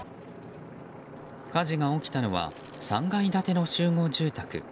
火事が起きたのは３階建ての集合住宅。